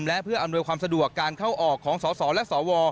และเพื่ออำนวยความสะดวกการเข้าออกของสสและสว